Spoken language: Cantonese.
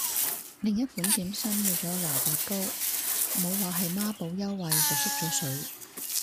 另一款點心要咗蘿蔔糕，無話喺孖寶優惠就縮咗水